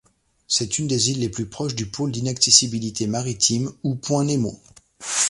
C'est une des îles les plus proches du pôle d'inaccessibilité maritime ou point Nemo.